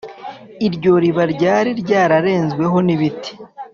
iryo riba ryari ryararenzweho n' ibiti